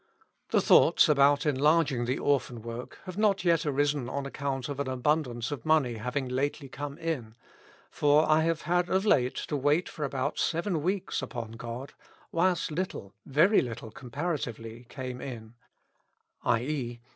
" The thoughts about enlarging the Orphan work have not yet arisen on account of an abundance of money having lately come in ; for I have had of late to wait for about seven weeks upon God, whilst little, very little comparatively, came in, i. e.